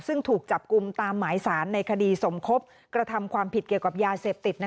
ซึ่งถูกจับกลุ่มตามหมายสารในคดีสมคบกระทำความผิดเกี่ยวกับยาเสพติด